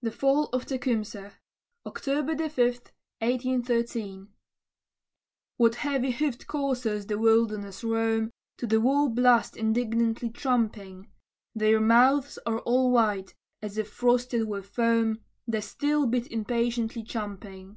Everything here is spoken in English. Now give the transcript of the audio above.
THE FALL OF TECUMSEH [October 5, 1813] What heavy hoofed coursers the wilderness roam, To the war blast indignantly tramping? Their mouths are all white, as if frosted with foam, The steel bit impatiently champing.